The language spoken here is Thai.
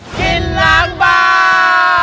กินล้างบาง